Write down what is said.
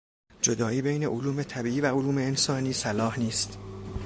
جدایی بین علوم طبیعی و علوم انسانی صلاح نیست.